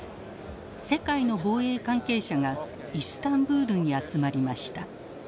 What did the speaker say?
世界の防衛関係者がイスタンブールに集まりました。